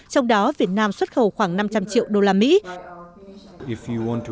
trong đó việt nam xuất khẩu khoảng năm trăm linh triệu đô la mỹ